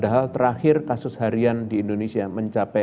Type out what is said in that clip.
dan terakhir kasus harian di indonesia mencapai delapan